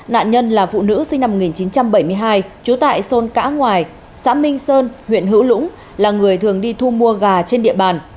nạn nhân là phụ nữ sinh năm một nghìn chín trăm bảy mươi hai trú tại thôn cãi xã minh sơn huyện hữu lũng là người thường đi thu mua gà trên địa bàn